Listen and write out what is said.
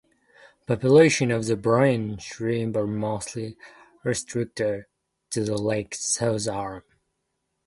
Populations of brine shrimp are mostly restricted to the lake's south arm.